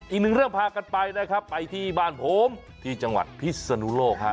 อีกหนึ่งเรื่องพากันไปนะครับไปที่บ้านผมที่จังหวัดพิศนุโลกฮะ